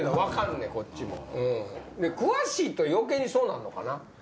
詳しいと余計にそうなるのかな？